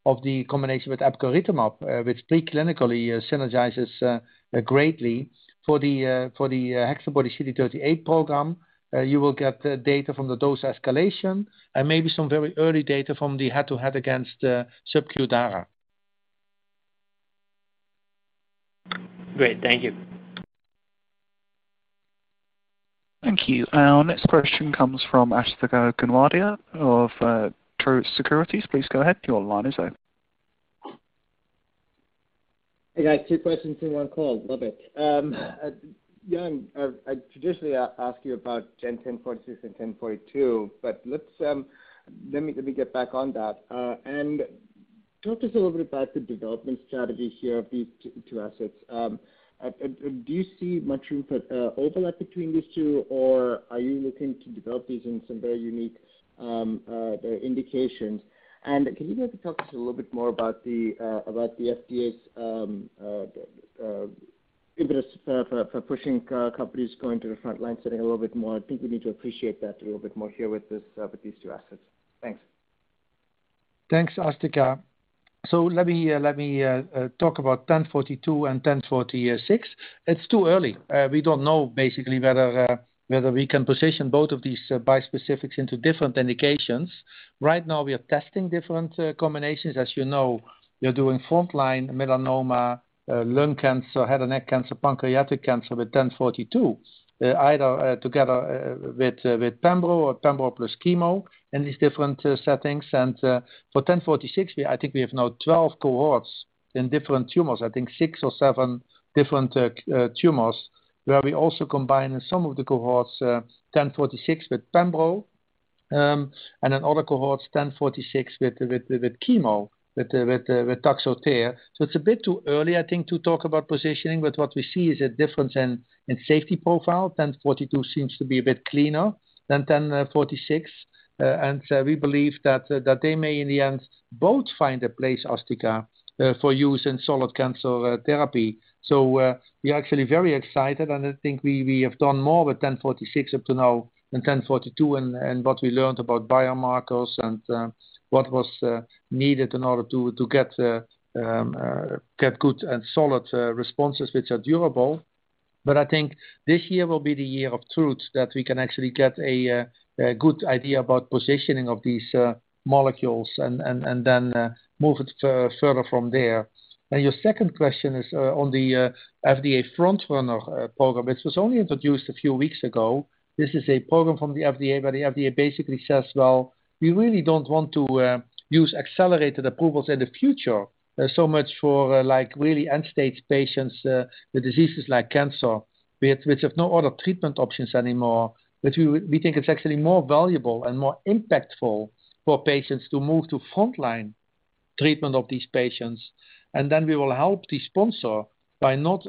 of the combination with epcoritamab, which preclinically synergizes greatly. For the HexaBody CD38 program, you will get data from the dose escalation and maybe some very early data from the head-to-head against subQ dara. Great. Thank you. Thank you. Our next question comes from Asthika Goonewardene of Truist Securities. Please go ahead. Your line is open. Hey, guys. Two questions in one call. Love it. Jan, I traditionally ask you about GEN1046 and 1042, but let me get back to that. Talk to us a little bit about the development strategy here of these two assets. Do you see much of a overlap between these two, or are you looking to develop these in some very unique indications? Can you maybe talk to us a little bit more about the FDA's interest for pushing companies going to the front line setting a little bit more? I think we need to appreciate that a little bit more here with these two assets. Thanks. Thanks, Asthika. Let me talk about ten forty-two and ten forty-six. It's too early. We don't know basically whether we can position both of these bispecifics into different indications. Right now, we are testing different combinations. As you know, we are doing frontline melanoma, lung cancer, head and neck cancer, pancreatic cancer with ten forty-two, either together with Pembro or Pembro plus chemo in these different settings. For ten forty-six, I think we have now 12 cohorts in different tumors, I think six or seven different tumors, where we also combine some of the cohorts, ten forty-six with Pembro. And then other cohorts, ten forty-six with chemo, with Taxotere. It's a bit too early, I think, to talk about positioning, but what we see is a difference in safety profile. 1042 seems to be a bit cleaner than 1046. We believe that they may in the end both find a place, Asthika, for use in solid cancer therapy. We are actually very excited, and I think we have done more with 1046 up to now and 1042 and what we learned about biomarkers and what was needed in order to get good and solid responses which are durable. I think this year will be the year of truth that we can actually get a good idea about positioning of these molecules and then move it further from there. Your second question is on the FDA FrontRunner program, which was only introduced a few weeks ago. This is a program from the FDA, where the FDA basically says, "Well, we really don't want to use accelerated approvals in the future so much for like really end-stage patients with diseases like cancer with which have no other treatment options anymore. We think it's actually more valuable and more impactful for patients to move to frontline treatment of these patients. We will help the sponsor by not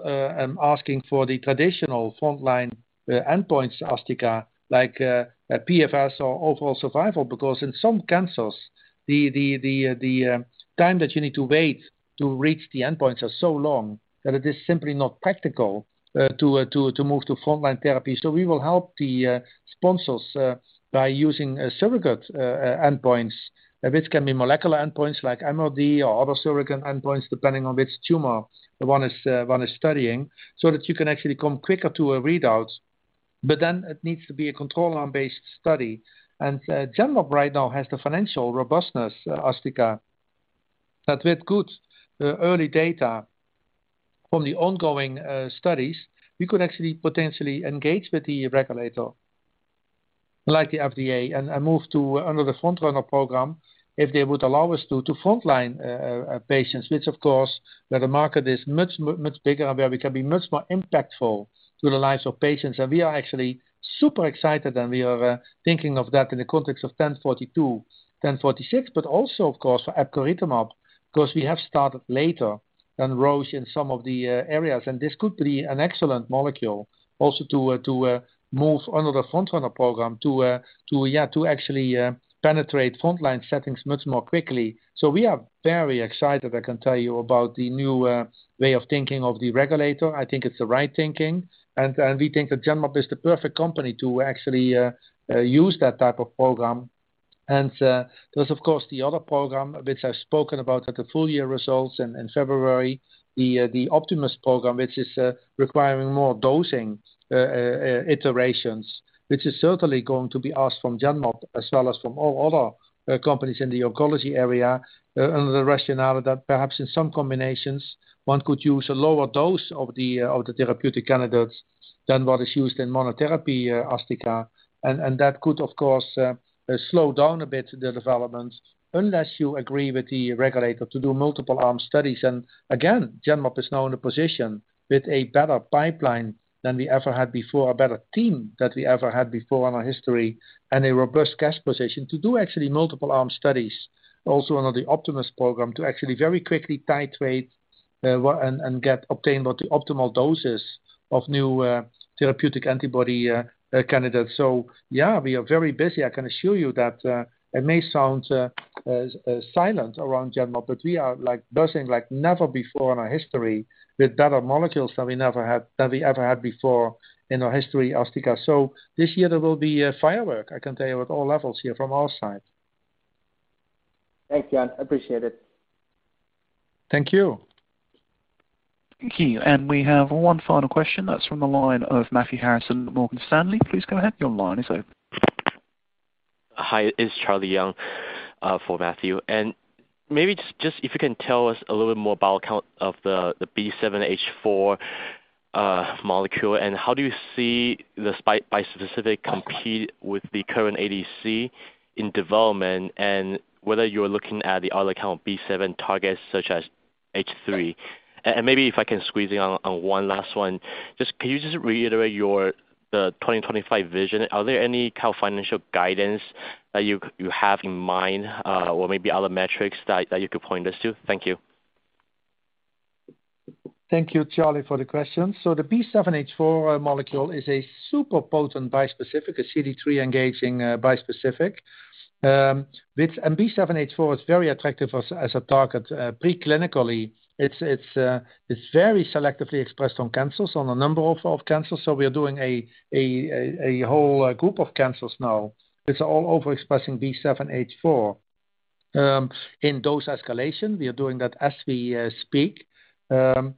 asking for the traditional frontline endpoints, Asthika, like a PFS or overall survival. Because in some cancers, the time that you need to wait to reach the endpoints are so long that it is simply not practical to move to frontline therapy. We will help the sponsors by using surrogate endpoints, which can be molecular endpoints like MRD or other surrogate endpoints, depending on which tumor one is studying, so that you can actually come quicker to a readout. Then it needs to be a control arm-based study. Genmab right now has the financial robustness, Asthika, that with good early data from the ongoing studies, we could actually potentially engage with the regulator like the FDA and move forward under the Project FrontRunner program if they would allow us to frontline patients, which, of course, is where the market is much bigger and where we can be much more impactful to the lives of patients. We are actually super excited, and we are thinking of that in the context of GEN1042, GEN1046, but also of course for epcoritamab, because we have started later than Roche in some of the areas. This could be an excellent molecule also to move under the Project FrontRunner program to actually penetrate frontline settings much more quickly. We are very excited, I can tell you, about the new way of thinking of the regulator. I think it's the right thinking. We think that Genmab is the perfect company to actually use that type of program. There's of course the other program which I've spoken about at the full-year results in February, the Optimus program, which is requiring more dosing iterations, which is certainly going to be asked from Genmab as well as from all other companies in the oncology area. Under the rationale that perhaps in some combinations one could use a lower dose of the therapeutic candidates than what is used in monotherapy, Asthika. That could, of course, slow down a bit the development unless you agree with the regulator to do multiple arm studies. Genmab is now in a position with a better pipeline than we ever had before, a better team than we ever had before in our history, and a robust cash position to do actually multiple arm studies, also under the Project Optimus program, to actually very quickly titrate and obtain the optimal doses of new therapeutic antibody candidates. Yeah, we are very busy. I can assure you that it may sound silent around Genmab, but we are like buzzing like never before in our history with better molecules than we ever had before in our history, Asthika. This year there will be a firework, I can tell you, at all levels here from our side. Thanks, Jan. Appreciate it. Thank you. Thank you. We have one final question. That's from the line of Matthew Harrison, Morgan Stanley. Please go ahead. Your line is open. Hi, it's Charlie Young for Matthew. Maybe just if you can tell us a little bit more about the B7H4 molecule and how do you see this bispecific compete with the current ADC in development and whether you're looking at the other kind of B7 targets such as B7-H3. Maybe if I can squeeze in on one last one. Can you just reiterate the 2025 vision? Are there any kind of financial guidance that you have in mind, or maybe other metrics that you could point us to? Thank you. Thank you, Charlie, for the question. The B7H4 molecule is a super potent bispecific, a CD3 engaging bispecific. B7H4 is very attractive as a target. Preclinically, it's very selectively expressed on cancers, on a number of cancers, so we are doing a whole group of cancers now. It's all overexpressing B7H4. In dose escalation, we are doing that as we speak. I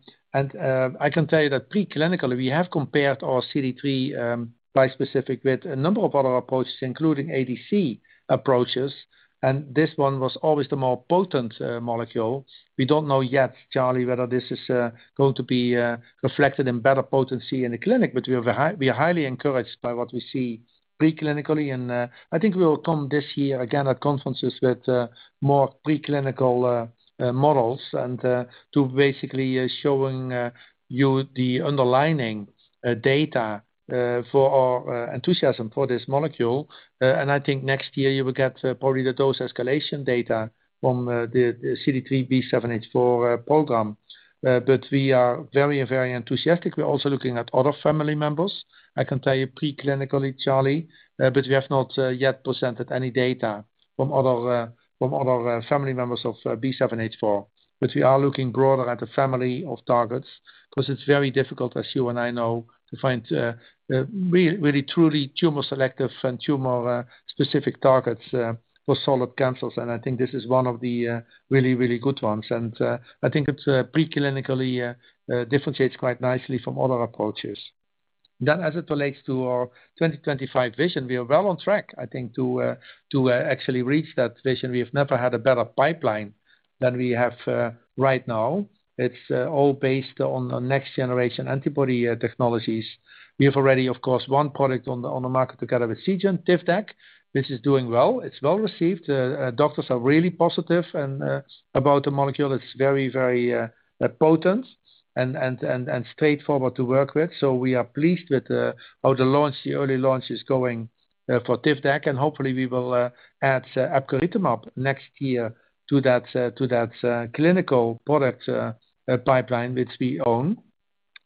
can tell you that preclinically, we have compared our CD3 bispecific with a number of other approaches, including ADC approaches, and this one was always the more potent molecule. We don't know yet, Charlie, whether this is going to be reflected in better potency in the clinic, but we are highly encouraged by what we see preclinically. I think we will come this year again at conferences with more preclinical models and to basically show you the underlying data for our enthusiasm for this molecule. I think next year you will get probably the dose escalation data from the CD3 B7H4 program. We are very, very enthusiastic. We are also looking at other family members. I can tell you preclinically, Charlie, but we have not yet presented any data from other family members of B7H4. We are looking broader at a family of targets, 'cause it's very difficult, as you and I know, to find really truly tumor-selective and tumor-specific targets for solid cancers, and I think this is one of the really, really good ones. I think it's preclinically differentiates quite nicely from other approaches. As it relates to our 2025 vision, we are well on track, I think, to actually reach that vision. We have never had a better pipeline than we have right now. It's all based on the next-generation antibody technologies. We have already, of course, one product on the market together with Seagen, Tivdak, which is doing well. It's well received. Doctors are really positive and about the molecule. It's very, very potent and straightforward to work with. We are pleased with how the early launch is going for Tivdak. Hopefully we will add epcoritamab next year to that clinical product pipeline which we own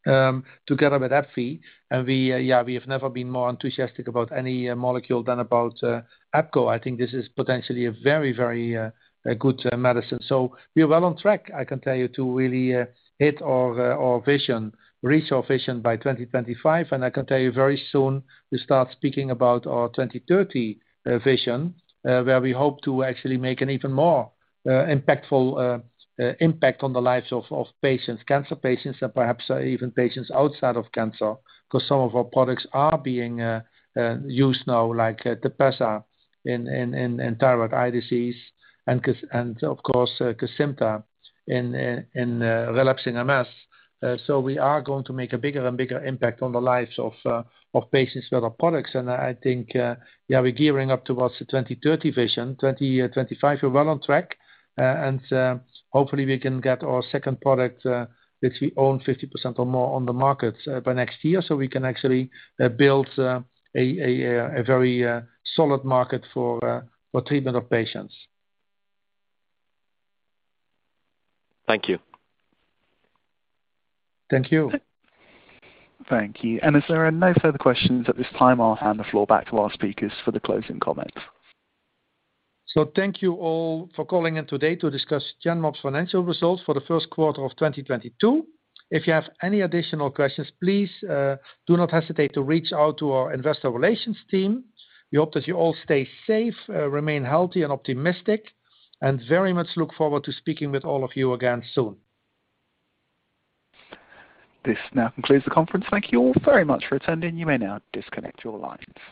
together with AbbVie. We have never been more enthusiastic about any molecule than about epco. I think this is potentially a very, very good medicine. We're well on track, I can tell you, to really hit our vision, reach our vision by 2025. I can tell you very soon, we start speaking about our 2030 vision, where we hope to actually make an even more impactful impact on the lives of patients, cancer patients and perhaps even patients outside of cancer. 'Cause some of our products are being used now like TEPEZZA in thyroid eye disease and of course Kesimpta in relapsing MS. We are going to make a bigger and bigger impact on the lives of patients with our products. I think we're gearing up towards the 2030 vision. 2025, we're well on track. Hopefully we can get our second product, which we own 50% or more on the markets, by next year, so we can actually build a very solid market for treatment of patients. Thank you. Thank you. Thank you. As there are no further questions at this time, I'll hand the floor back to our speakers for the closing comments. Thank you all for calling in today to discuss Genmab's financial results for the first quarter of 2022. If you have any additional questions, please, do not hesitate to reach out to our investor relations team. We hope that you all stay safe, remain healthy and optimistic, and very much look forward to speaking with all of you again soon. This now concludes the conference. Thank you all very much for attending. You may now disconnect your lines.